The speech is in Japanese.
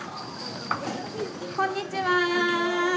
こんにちは。